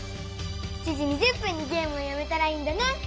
７時２０分にゲームをやめたらいいんだね！